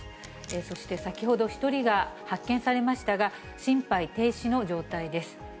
そして、先ほど１人が発見されましたが、心肺停止の状態です。